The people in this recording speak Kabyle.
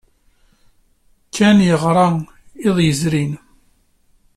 Ken yeɣra iḍ yezrin.